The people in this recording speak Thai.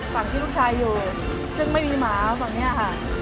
ฝั่งที่ลูกชายอยู่ซึ่งไม่มีหมาฝั่งนี้ค่ะ